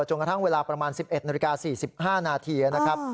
กระทั่งเวลาประมาณ๑๑นาฬิกา๔๕นาทีนะครับ